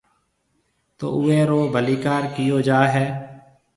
تو اُوئي رو ڀليڪار ڪئيو جائي هيَ۔